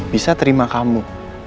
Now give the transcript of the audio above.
bisa terima kamu